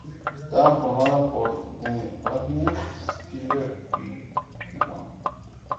Estaba formada por The Rasmus, Killer y Kwan.